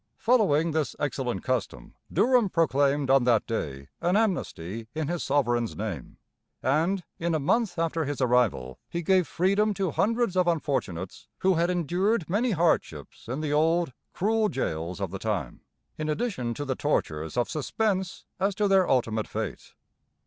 Following this excellent custom, Durham proclaimed on that day an amnesty in his sovereign's name; and, in a month after his arrival, he gave freedom to hundreds of unfortunates, who had endured many hardships in the old, cruel jails of the time, in addition to the tortures of suspense as to their ultimate fate.